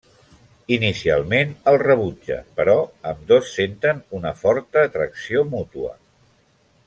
Inicialment el rebutja, però ambdós senten una forta atracció mútua.